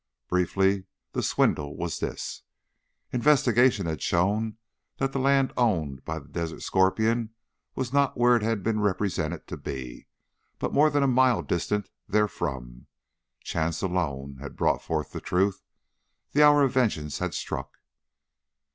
Briefly, the swindle was this: investigation had shown that the land owned by the Desert Scorpion was not where it had been represented to be, but more than a mile distant therefrom. Chance alone had brought forth the truth; the hour of vengeance had struck.